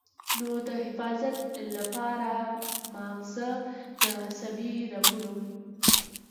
نو د حفاظت له پاره مازغۀ د عصبي رګونو